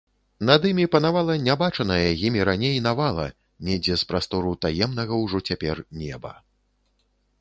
Над імі панавала нябачаная імі раней навала недзе з прастору таемнага ўжо цяпер неба.